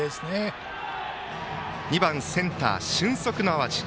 打者は２番センター、俊足の淡路。